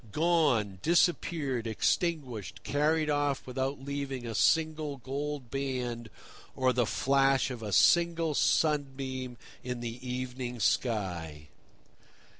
Gone, disappeared, extinguished, carried off without leaving a single gold band or the flash of a single sunbeam in the evening sky!